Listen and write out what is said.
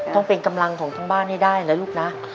ต้องเป็นกำลังของทั้งบ้านให้ได้นะลูกนะ